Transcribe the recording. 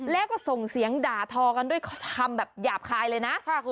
แล้วก็ส่งเสียงด่าทอกันด้วยทำแบบหยาบคายเลยนะ